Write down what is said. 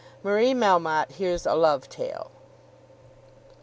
MARIE MELMOTTE HEARS A LOVE TALE.